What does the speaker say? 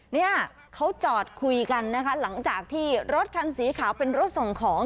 เนี่ยเขาจอดคุยกันนะคะหลังจากที่รถคันสีขาวเป็นรถส่งของ